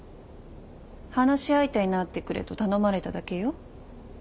話し相手になってくれと頼まれただけよ。